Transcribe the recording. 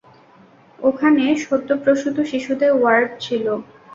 ওখানে সদ্যপ্রসূত শিশুদের ওয়ার্ড ছিল।